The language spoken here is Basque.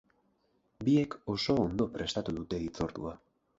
Biek oso ondo prestatu dute hitzordua.